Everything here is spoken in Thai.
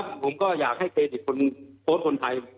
จริงแล้วผมก็อยากให้เครดิตโพสต์บนไทย